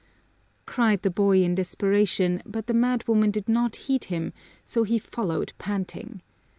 cried the boy in desperation, but the madwoman did not heed him, so he followed panting.